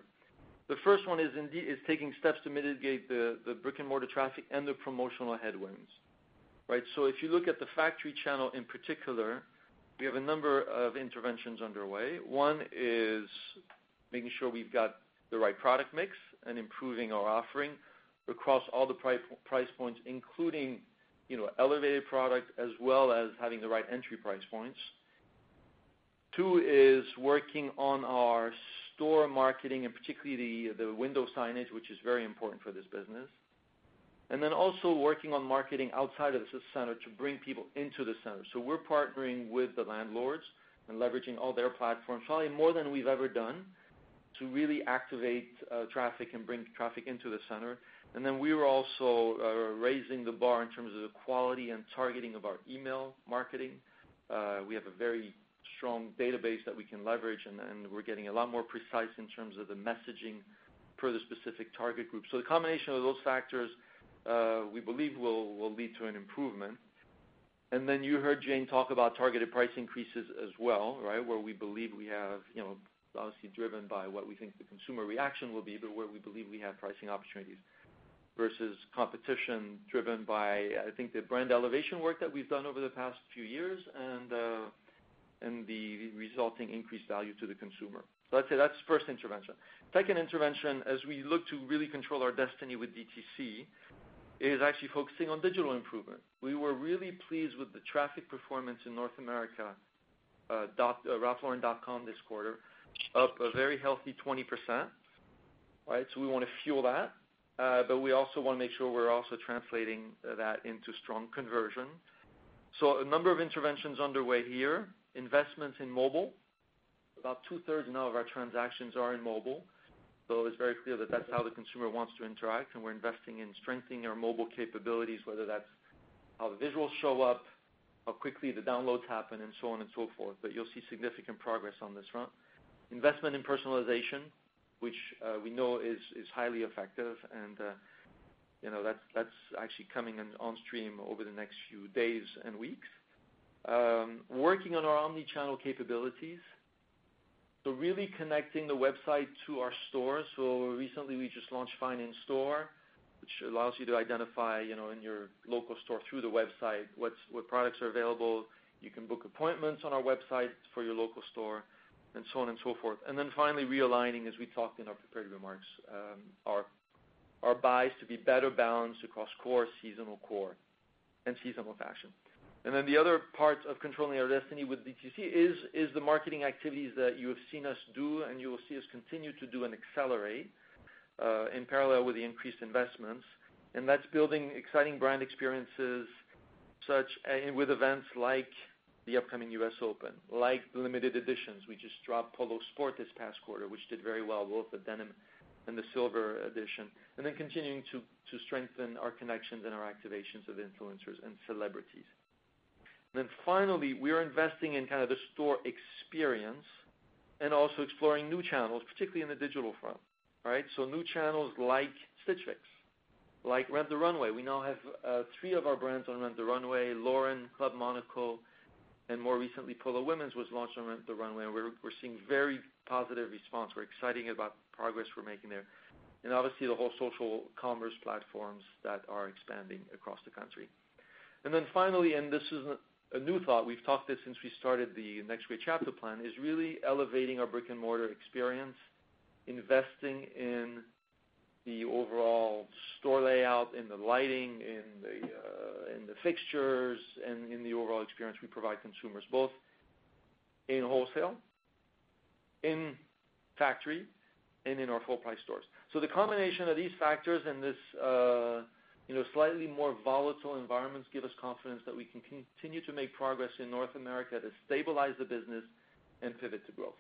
The first one is indeed taking steps to mitigate the brick and mortar traffic and the promotional headwinds. If you look at the factory channel in particular, we have a number of interventions underway. One is making sure we've got the right product mix and improving our offering across all the price points, including elevated product as well as having the right entry price points. Two is working on our store marketing and particularly the window signage, which is very important for this business. Also working on marketing outside of the center to bring people into the center. We're partnering with the landlords and leveraging all their platforms, probably more than we've ever done, to really activate traffic and bring traffic into the center. We are also raising the bar in terms of the quality and targeting of our email marketing. We have a very strong database that we can leverage, and we're getting a lot more precise in terms of the messaging for the specific target group. The combination of those factors, we believe will lead to an improvement. Then you heard Jane talk about targeted price increases as well, where we believe we have, obviously driven by what we think the consumer reaction will be, but where we believe we have pricing opportunities versus competition driven by, I think, the brand elevation work that we've done over the past few years and the resulting increased value to the consumer. I'd say that's the first intervention. Second intervention, as we look to really control our destiny with DTC, is actually focusing on digital improvement. We were really pleased with the traffic performance in North America, ralphlauren.com this quarter, up a very healthy 20%. We want to fuel that. We also want to make sure we're also translating that into strong conversion. A number of interventions underway here. Investments in mobile. About 2/3 now of our transactions are in mobile, it's very clear that that's how the consumer wants to interact, and we're investing in strengthening our mobile capabilities, whether that's how the visuals show up, how quickly the downloads happen, and so on and so forth. You'll see significant progress on this front. Investment in personalization, which we know is highly effective, and that's actually coming on stream over the next few days and weeks. Working on our omni-channel capabilities. Really connecting the website to our store. Recently we just launched Find in Store, which allows you to identify in your local store through the website what products are available. You can book appointments on our website for your local store and so on and so forth. Finally realigning, as we talked in our prepared remarks, our buys to be better balanced across core, seasonal core, and seasonal fashion. The other part of controlling our destiny with DTC is the marketing activities that you have seen us do and you will see us continue to do and accelerate, in parallel with the increased investments. That's building exciting brand experiences, such with events like the upcoming U.S. Open, like the limited editions. We just dropped Polo Sport this past quarter, which did very well, both the denim and the silver edition. Continuing to strengthen our connections and our activations of influencers and celebrities. Finally, we are investing in the store experience and also exploring new channels, particularly in the digital front. Right? New channels like Stitch Fix, like Rent the Runway. We now have three of our brands on Rent the Runway: Lauren, Club Monaco, and more recently, Polo Women's was launched on Rent the Runway. We're seeing very positive response. We're excited about the progress we're making there. Obviously, the whole social commerce platforms that are expanding across the country. Finally, this isn't a new thought, we've talked this since we started the Next Great Chapter plan, is really elevating our brick and mortar experience, investing in the overall store layout, in the lighting, in the fixtures, and in the overall experience we provide consumers, both in wholesale, in factory, and in our full-price stores. The combination of these factors in this slightly more volatile environments give us confidence that we can continue to make progress in North America to stabilize the business and pivot to growth.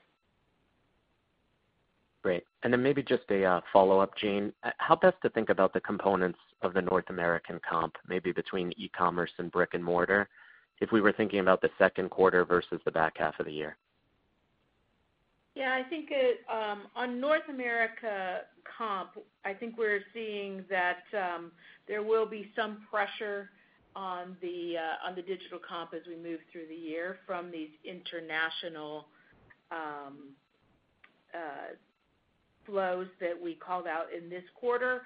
Great. Then maybe just a follow-up, Jane. How best to think about the components of the North American comp, maybe between e-commerce and brick and mortar if we were thinking about the second quarter versus the back half of the year? On North America comp, I think we're seeing that there will be some pressure on the digital comp as we move through the year from these international flows that we called out in this quarter.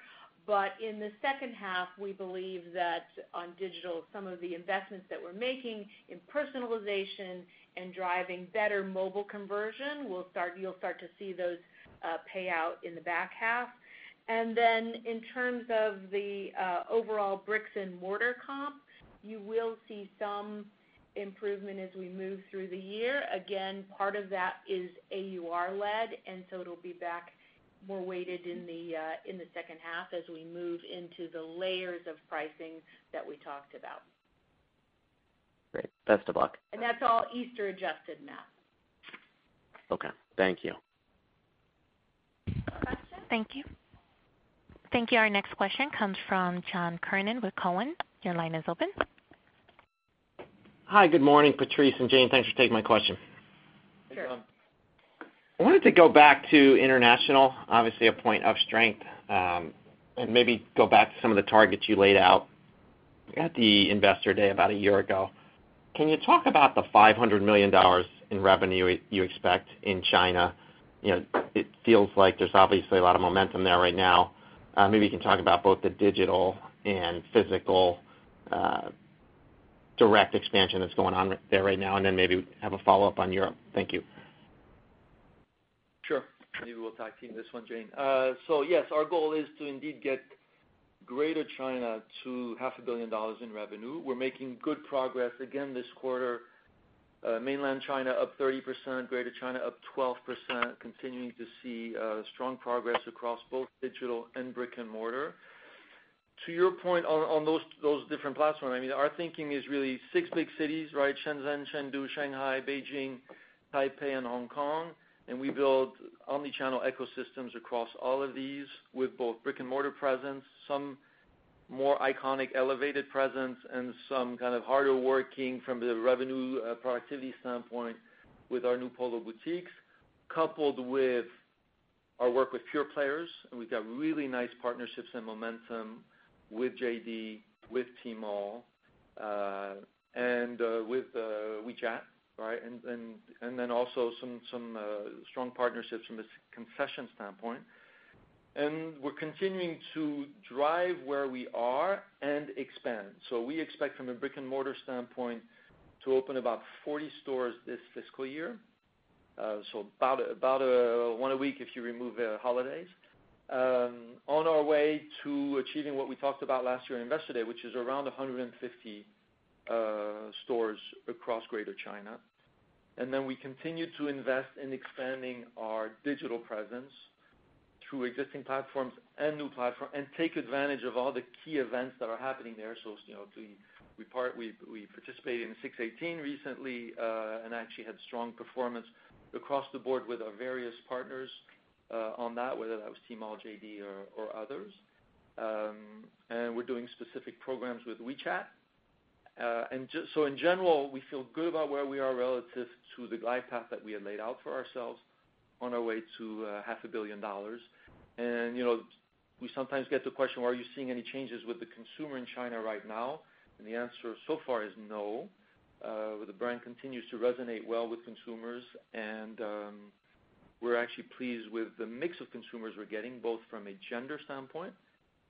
In the second half, we believe that on digital, some of the investments that we're making in personalization and driving better mobile conversion, you'll start to see those pay out in the back half. Then in terms of the overall bricks and mortar comp, you will see some improvement as we move through the year. Again, part of that is AUR-led, and so it'll be back more weighted in the second half as we move into the layers of pricing that we talked about. Great. Best of luck. That's all Easter adjusted now. Okay. Thank you. Thank you. Thank you. Our next question comes from John Kernan with Cowen. Your line is open. Hi, good morning, Patrice and Jane. Thanks for taking my question. Sure. Hey, John. I wanted to go back to International, obviously a point of strength, and maybe go back to some of the targets you laid out at the Investor Day about a year ago. Can you talk about the $500 million in revenue you expect in China? It feels like there's obviously a lot of momentum there right now. Maybe you can talk about both the digital and physical direct expansion that's going on there right now, and then maybe have a follow-up on Europe. Thank you. Maybe we'll tag team this one, Jane. Yes, our goal is to indeed get Greater China to half a billion dollars in revenue. We're making good progress. Again, this quarter, Mainland China up 30%, Greater China up 12%, continuing to see strong progress across both digital and brick and mortar. To your point on those different platforms, our thinking is really six big cities, right? Shenzhen, Chengdu, Shanghai, Beijing, Taipei, and Hong Kong, we build omni-channel ecosystems across all of these with both brick and mortar presence. Some more iconic, elevated presence, some kind of harder working from the revenue productivity standpoint with our new Polo boutiques, coupled with our work with pure players, we've got really nice partnerships and momentum with JD, with Tmall, and with WeChat, right? Also some strong partnerships from a concession standpoint. We're continuing to drive where we are and expand. We expect from a brick and mortar standpoint to open about 40 stores this fiscal year. So about one a week if you remove the holidays. On our way to achieving what we talked about last year at Investor Day, which is around 150 stores across Greater China. Then we continue to invest in expanding our digital presence through existing platforms and new platforms, and take advantage of all the key events that are happening there. We participated in 618 recently, and actually had strong performance across the board with our various partners on that, whether that was Tmall, JD or others. We're doing specific programs with WeChat. In general, we feel good about where we are relative to the glide path that we had laid out for ourselves on our way to half a billion dollars. We sometimes get the question, "Are you seeing any changes with the consumer in China right now?" The answer so far is no. The brand continues to resonate well with consumers, and we're actually pleased with the mix of consumers we're getting, both from a gender standpoint,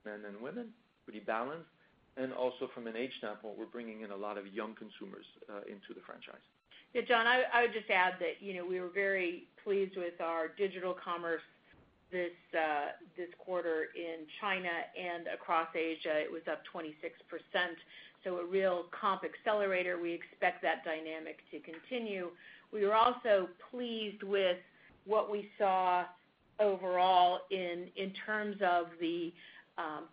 men and women, pretty balanced, and also from an age standpoint, we're bringing in a lot of young consumers into the franchise. Yeah, John, I would just add that we were very pleased with our digital commerce this quarter in China and across Asia. It was up 26%, a real comp accelerator. We expect that dynamic to continue. We were also pleased with what we saw overall in terms of the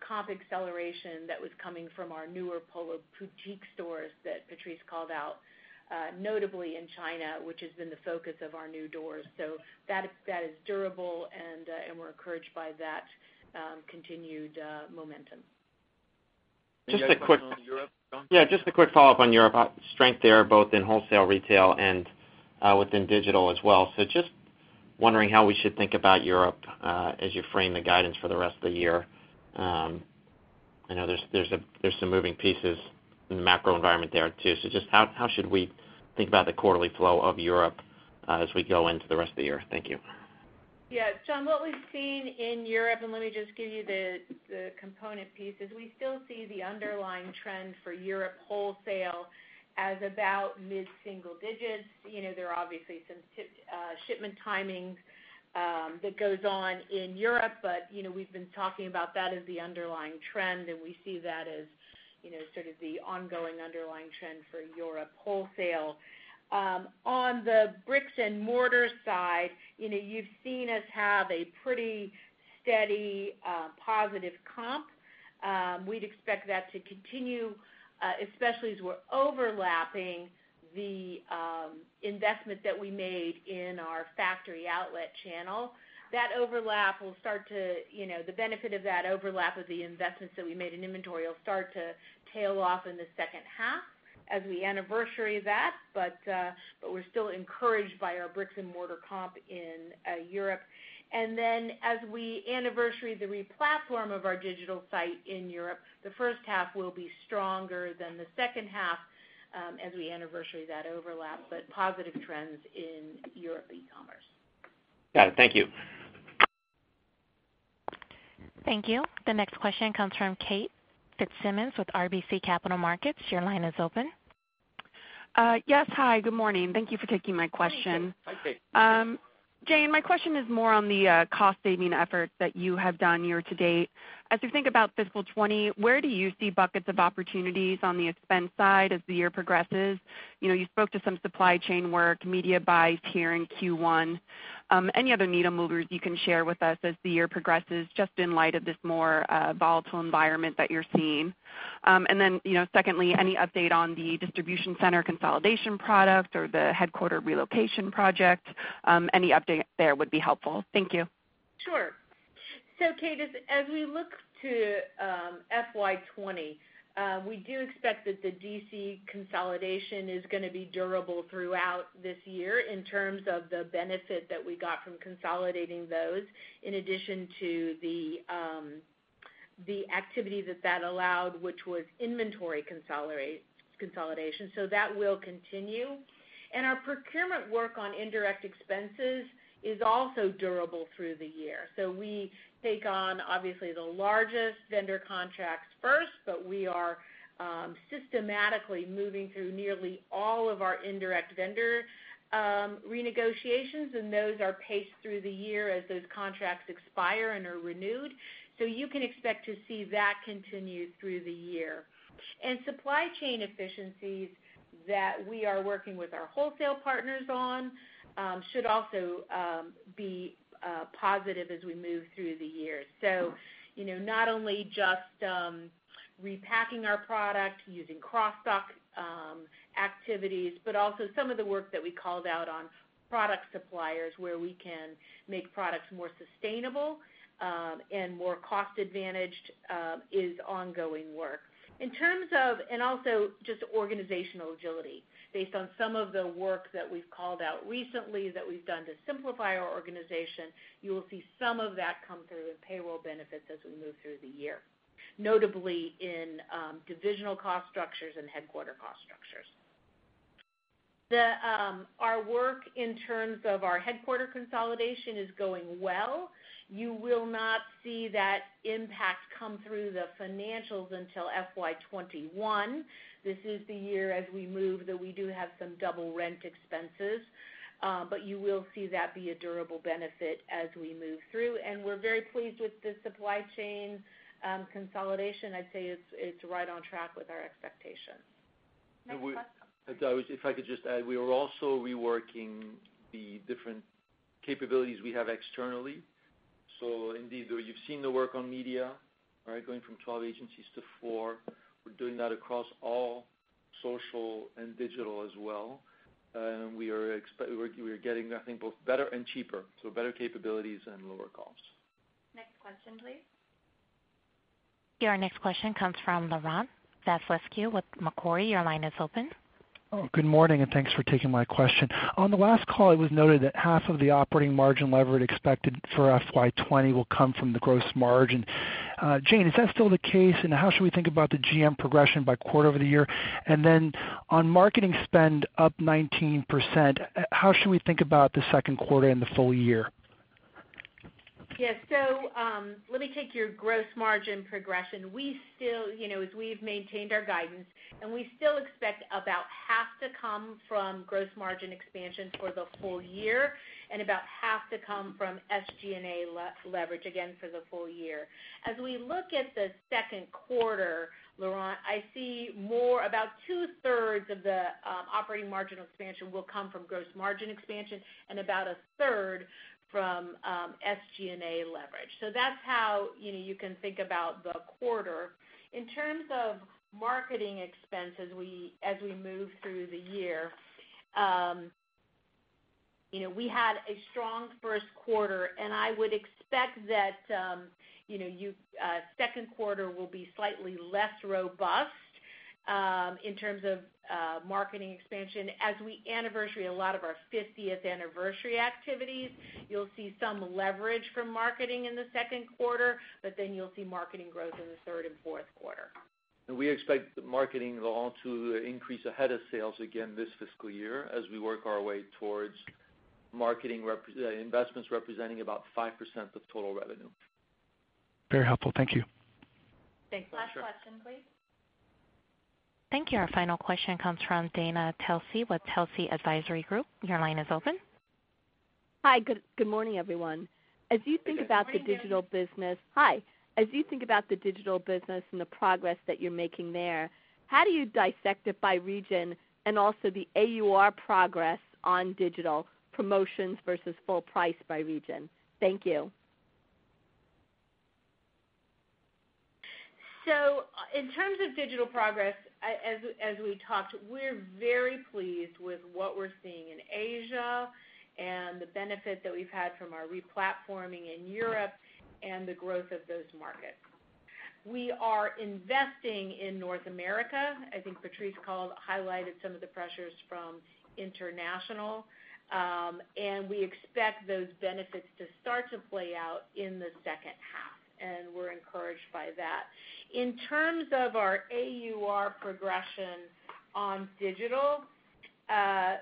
comp acceleration that was coming from our newer Polo boutique stores that Patrice called out. Notably in China, which has been the focus of our new doors. That is durable, and we're encouraged by that continued momentum. Just a quick- Any other questions on Europe, John? Yeah, just a quick follow-up on Europe. Strength there, both in wholesale retail and within digital as well. Just wondering how we should think about Europe as you frame the guidance for the rest of the year. I know there's some moving pieces in the macro environment there, too. Just how should we think about the quarterly flow of Europe as we go into the rest of the year? Thank you. Yeah, John, what we've seen in Europe, let me just give you the component pieces, we still see the underlying trend for Europe wholesale as about mid-single digits. There are obviously some shipment timings that goes on in Europe, we've been talking about that as the underlying trend, we see that as sort of the ongoing underlying trend for Europe wholesale. On the bricks and mortar side, you've seen us have a pretty steady, positive comp. We'd expect that to continue, especially as we're overlapping the investment that we made in our factory outlet channel. The benefit of that overlap of the investments that we made in inventory will start to tail off in the second half as we anniversary that, we're still encouraged by our bricks and mortar comp in Europe. As we anniversary the re-platform of our digital site in Europe, the first half will be stronger than the second half as we anniversary that overlap, but positive trends in Europe e-commerce. Got it. Thank you. Thank you. The next question comes from Kate Fitzsimons with RBC Capital Markets. Your line is open. Yes. Hi, good morning. Thank you for taking my question. Hi, Kate. Jane, my question is more on the cost-saving efforts that you have done year to date. As you think about fiscal 2020, where do you see buckets of opportunities on the expense side as the year progresses? You spoke to some supply chain work, media buys here in Q1. Any other needle movers you can share with us as the year progresses, just in light of this more volatile environment that you're seeing? Secondly, any update on the distribution center consolidation project or the headquarters relocation project? Any update there would be helpful. Thank you. Sure. Kate, as we look to FY 2020, we do expect that the DC consolidation is going to be durable throughout this year in terms of the benefit that we got from consolidating those, in addition to the activity that that allowed, which was inventory consolidation. That will continue. Our procurement work on indirect expenses is also durable through the year. We take on, obviously, the largest vendor contracts first, but we are systematically moving through nearly all of our indirect vendor renegotiations, and those are paced through the year as those contracts expire and are renewed. You can expect to see that continue through the year. Supply chain efficiencies that we are working with our wholesale partners on should also be positive as we move through the year. Not only just repacking our product using cross-stock activities, but also some of the work that we called out on product suppliers, where we can make products more sustainable and more cost-advantaged is ongoing work. Also just organizational agility. Based on some of the work that we've called out recently that we've done to simplify our organization, you will see some of that come through in payroll benefits as we move through the year, notably in divisional cost structures and headquarter cost structures. Our work in terms of our headquarter consolidation is going well. You will not see that impact come through the financials until FY 2021. This is the year as we move that we do have some double rent expenses. You will see that be a durable benefit as we move through. We're very pleased with the supply chain consolidation. I'd say it's right on track with our expectations. Next question. If I could just add, we are also reworking the different capabilities we have externally. Indeed, you've seen the work on media, going from 12 agencies to four. We're doing that across all social and digital as well. We are getting, I think, both better and cheaper, so better capabilities and lower costs. Next question, please. Your next question comes from Laurent Vasilescu with Macquarie. Your line is open. Oh, good morning, and thanks for taking my question. On the last call, it was noted that half of the operating margin leverage expected for FY20 will come from the gross margin. Jane, is that still the case, and how should we think about the GM progression by quarter over the year? On marketing spend up 19%, how should we think about the second quarter and the full year? Yes. Let me take your gross margin progression. We've maintained our guidance, and we still expect about half to come from gross margin expansion for the full year and about half to come from SG&A leverage, again, for the full year. As we look at the second quarter, Laurent, I see about 2/3 of the operating margin expansion will come from gross margin expansion and about a third from SG&A leverage. That's how you can think about the quarter. In terms of marketing expenses as we move through the year. We had a strong first quarter, and I would expect that second quarter will be slightly less robust in terms of marketing expansion. As we anniversary a lot of our 50th anniversary activities, you'll see some leverage from marketing in the second quarter, you'll see marketing growth in the third and fourth quarter. We expect marketing to increase ahead of sales again this fiscal year as we work our way towards marketing investments representing about 5% of total revenue. Very helpful. Thank you. Last question, please. Thank you. Our final question comes from Dana Telsey with Telsey Advisory Group. Your line is open. Hi. Good morning, everyone. Good morning, Dana. Hi. As you think about the digital business and the progress that you're making there, how do you dissect it by region, and also the AUR progress on digital promotions versus full price by region? Thank you. In terms of digital progress, as we talked, we're very pleased with what we're seeing in Asia and the benefit that we've had from our re-platforming in Europe and the growth of those markets. We are investing in North America. I think Patrice highlighted some of the pressures from international. We expect those benefits to start to play out in the second half, and we're encouraged by that. In terms of our AUR progression on digital, our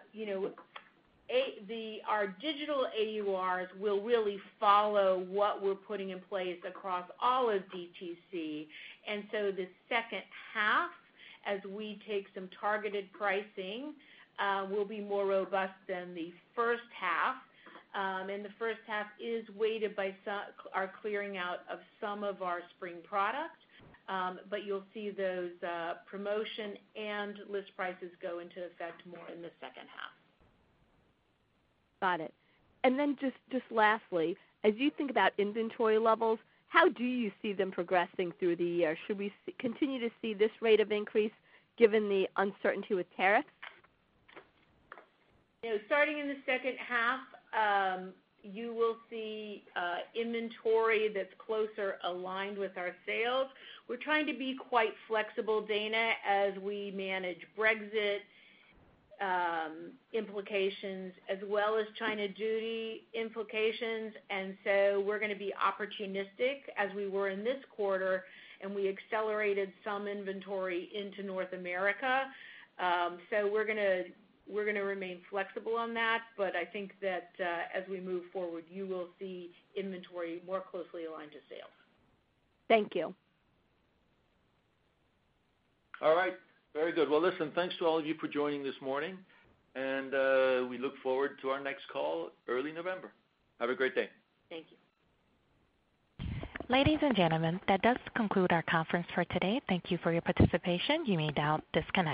digital AURs will really follow what we're putting in place across all of DTC. The second half, as we take some targeted pricing, will be more robust than the first half. The first half is weighted by our clearing out of some of our spring product. You'll see those promotion and list prices go into effect more in the second half. Got it. Just lastly, as you think about inventory levels, how do you see them progressing through the year? Should we continue to see this rate of increase given the uncertainty with tariffs? Starting in the second half, you will see inventory that's closer aligned with our sales. We're trying to be quite flexible, Dana, as we manage Brexit implications as well as China duty implications. We're going to be opportunistic as we were in this quarter, and we accelerated some inventory into North America. We're going to remain flexible on that, but I think that as we move forward, you will see inventory more closely aligned to sales. Thank you. Very good. Well, listen, thanks to all of you for joining this morning, and we look forward to our next call early November. Have a great day. Thank you. Ladies and gentlemen, that does conclude our conference for today. Thank you for your participation. You may now disconnect.